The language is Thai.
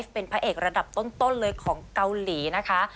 เป็นพระเอกระดับต้นเลยของเกาหลีนะคะ